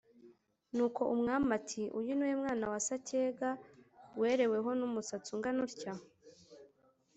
Nuko umwami ati « uyu ni we mwana wa Sacyega wereweho n'umusatsi ungana utya?